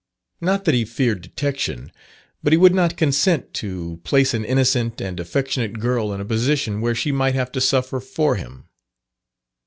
Not that he feared detection; but he would not consent to place an innocent and affectionate girl in a position where she might have to suffer for him.